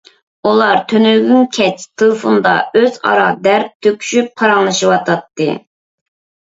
ئۇلار تۈنۈگۈن كەچ تېلېفوندا ئۆزئارا دەرد تۆكۈشۈپ پاراڭلىشىۋاتاتتى.